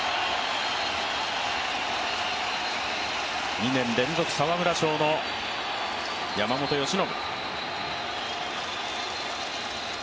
２年連続沢村賞の山本由伸。